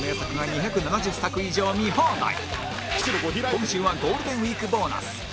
今週はゴールデンウィークボーナス